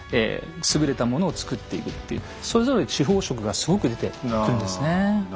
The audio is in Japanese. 優れたものを作っていくっていうそれぞれ地方色がすごく出てくるんですね。